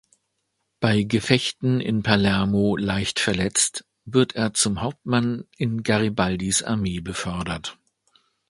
Bei Gefechten in Palermo leicht verletzt, wird er zum Hauptmann in Garibaldis Armee befördert.